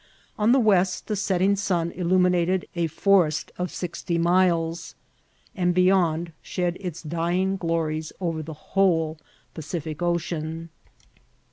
On the west the setting sun illuminated a forest of sixty miles, and beyond shed its dying glories over the whole Pacific Ocean.